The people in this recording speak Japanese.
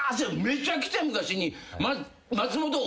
めちゃくちゃ昔に。